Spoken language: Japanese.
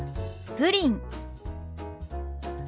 「プリン」。